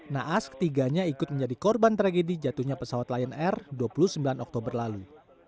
naas ketiganya ikut menjadi korban tragedi jatuhnya pesawat lion air dua puluh sembilan oktober lalu